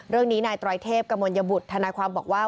เรื่องนี้นายตรอยเทพกมลยบุธธนาความบอกว่า